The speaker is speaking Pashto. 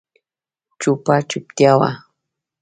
چوپه چوپتیا وه.